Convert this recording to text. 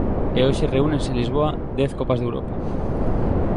E hoxe reúnense en Lisboa dez copas de Europa.